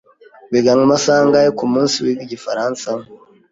Wiga amasaha angahe kumunsi wiga igifaransa?